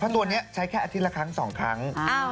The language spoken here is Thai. ตัวนี้ใช้แค่อาทิตย์ละครั้ง๒ครั้ง